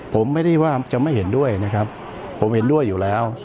ผมไม่ได้ว่าจะไม่เห็นด้วยนะครับผมเห็นด้วยอยู่แล้ว